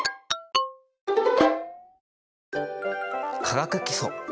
「化学基礎」